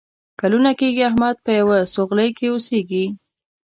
کلونه کېږي احمد په یوه سوغلۍ کې اوسېږي.